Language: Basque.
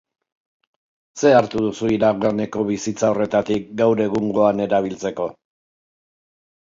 Zer hartu duzu iraganeko bizitza horretatik gaur egungoan erabiltzeko?